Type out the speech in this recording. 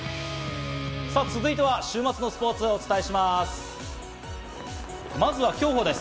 続いては週末のスポーツをお伝えします。